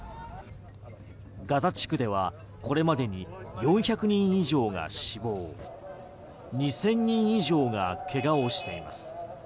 ガザ地区ではこれまでに４００人以上が死亡２０００人以上が怪我をしています。